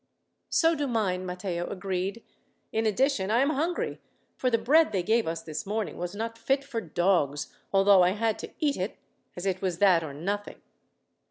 "So do mine," Matteo agreed. "In addition, I am hungry, for the bread they gave us this morning was not fit for dogs, although I had to eat it, as it was that or nothing."